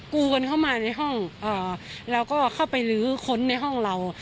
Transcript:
กูกันเข้ามาในห้องเราก็เข้าไปลื้อค้นในห้องเรา